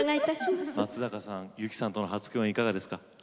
松坂さん由紀さんとの初共演いかがですか？